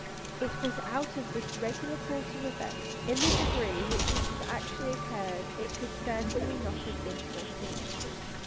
It was out of the regular course of events. In the degree in which it has actually occurred it could certainly not have been foreseen.